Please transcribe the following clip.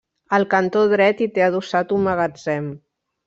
Al cantó dret hi té adossat un magatzem.